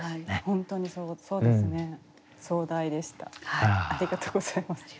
本当にそうですね。